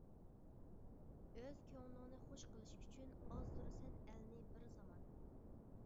ئۆز كۆڭلۈڭنى خۇش قىلىش ئۈچۈن، ئازدۇرىسەن ئەلنى بىر زامان.